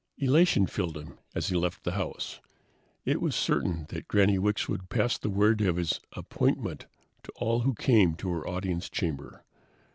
Elation filled him as he left the house. It was certain that Granny Wicks would pass the word of his "appointment" to all who came to her audience chamber.